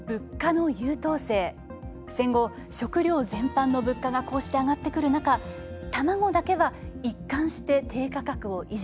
戦後食料全般の物価がこうして上がってくる中卵だけは一貫して低価格を維持。